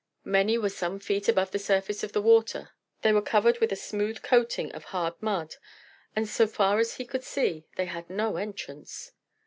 Many were some feet above the surface of the water; they were covered with a smooth coating of hard mud, and so far as he could see they had no entrance.